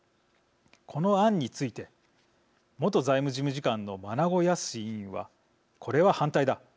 この案について元財務事務次官の真砂靖委員は「これは反対だ。